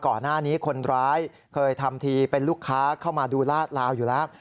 ก่อนหน้านี้คนร้ายเคยทำทีเป็นลูกค้าเข้ามาดูลาดลาวอยู่แล้ว